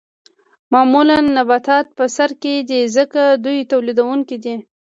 معمولاً نباتات په سر کې دي ځکه دوی تولیدونکي دي